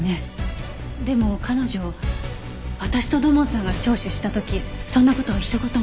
でも彼女私と土門さんが聴取した時そんな事はひと言も。